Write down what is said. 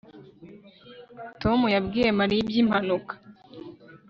Tom yabwiye Mariya ibyimpanuka